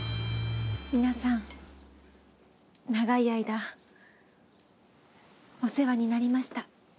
皆さん長い間お世話になりました。